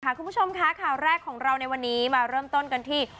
คุณผู้ชมค่ะข่าวแรกของเราในวันนี้มาเริ่มต้นกันที่